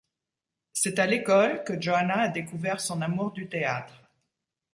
C'est à l'école que Johanna a découvert son amour du théâtre.